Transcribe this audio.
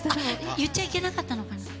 言っちゃいけなかったのかな？